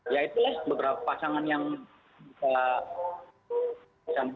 ya itulah beberapa pasangan yang bisa